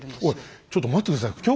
おいちょっと待って下さい。